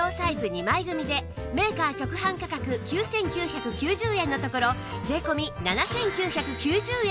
２枚組でメーカー直販価格９９９０円のところ税込７９９０円